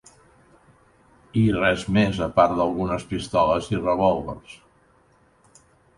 ...i res mes, a part d'algunes pistoles i revòlvers